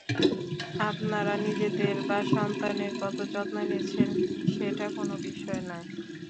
আপনারা নিজেদের বা সন্তানের কত যত্ন নিচ্ছেন সেটা কোন বিষয় নয়।